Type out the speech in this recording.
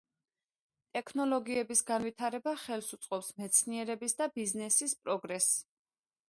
ტექნოლოგიების განვითარება ხელს უწყობს მეცნიერებისა და ბიზნესის პროგრესს.